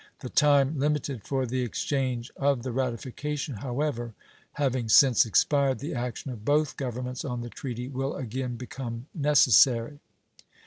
The time limited for the exchange of the ratification, however, having since expired, the action of both Governments on the treaty will again become necessary.